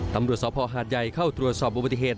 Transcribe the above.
ตำรวจสภหาดใหญ่เข้าตรวจสอบอุบัติเหตุ